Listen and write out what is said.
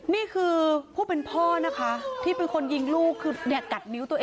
นี่คือผู้เป็นพ่อนะคะที่เป็นคนที่อยู่ในเมืองของพระเจ้า